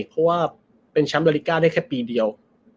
เพราะว่าเป็นแชมป์ลาลิกาได้แค่ปีเดียว